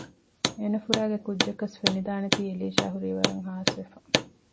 އޭނަފުރައިގެ ކުއްޖަކަސް ފެނިދާނެތީ އެލީޝާ ހުރީ ވަރަށް ހާސްވެފަ